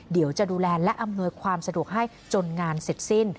เดี๋ยวจะดูแลและอำนวยความสะดวกให้จนงานเสร็จสิ้น